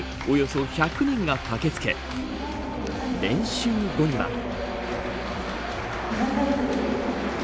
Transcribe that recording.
およそ１００人が駆け付け練習後には。